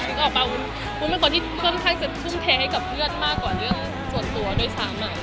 ออกมาวุ้นเป็นคนที่ค่อนข้างจะทุ่มเทให้กับเพื่อนมากกว่าเรื่องส่วนตัวด้วยซ้ำ